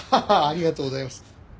ありがとうございます。